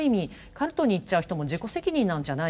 カルトにいっちゃう人も自己責任なんじゃないかと。